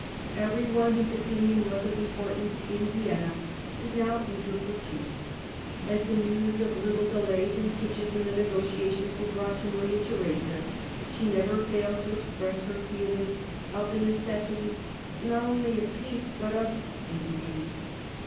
Every one whose opinion was of importance in Vienna was now eager for peace. As the news of little delays and hitches in the negotiations were brought to Maria Theresa she never failed to express her feeling of the necessity, not only of peace, but of speedy peace.